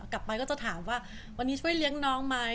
กลับไปก็จะถามว่าวันนี้ช่วยเลี้ยงน้องไหม